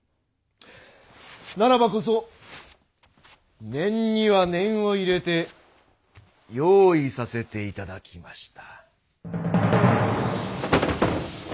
ならばこそ念には念を入れて用意させていただきました。